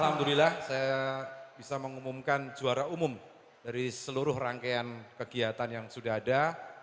alhamdulillah saya bisa mengumumkan juara umum dari seluruh rangkaian kegiatan yang sudah ada